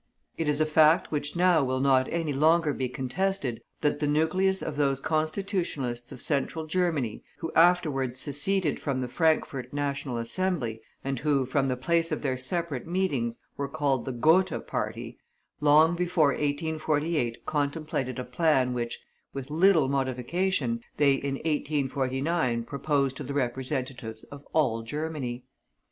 It is a fact which now will not any longer be contested, that the nucleus of those Constitutionalists of Central Germany, who afterwards seceded from the Frankfort National Assembly, and who, from the place of their separate meetings, were called the Gotha party, long before 1848 contemplated a plan which, with little modification, they in 1849 proposed to the representatives of all Germany.